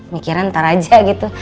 mikiran ntar aja gitu